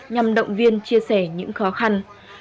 nhằm động viên chia sẻ những khó khăn